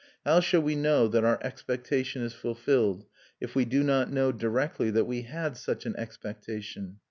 How shall we know that our expectation is fulfilled, if we do not know directly that we had such an expectation?